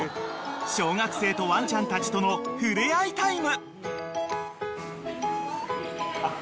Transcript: ［小学生とワンちゃんたちとのふれあいタイム］